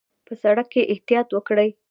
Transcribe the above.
په سړک کې احتیاط وکړئ